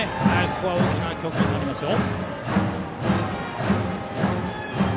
ここは大きな局面になりますよ。